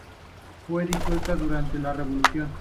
Fue disuelta durante la Revolución rusa.